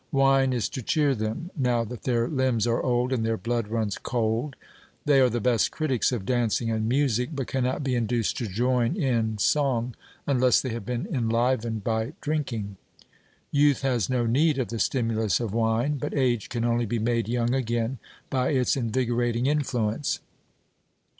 Wine is to cheer them now that their limbs are old and their blood runs cold. They are the best critics of dancing and music, but cannot be induced to join in song unless they have been enlivened by drinking. Youth has no need of the stimulus of wine, but age can only be made young again by its invigorating influence.